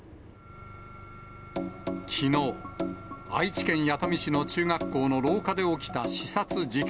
きのう、愛知県弥富市の中学校の廊下で起きた刺殺事件。